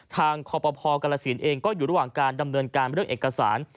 คอปภกรสินเองก็อยู่ระหว่างการดำเนินการเรื่องเอกสาร